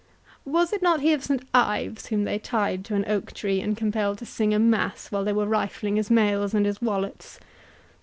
Was it not he of St Ives whom they tied to an oak tree, and compelled to sing a mass while they were rifling his mails and his wallets?